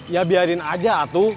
ya biarin aja atuh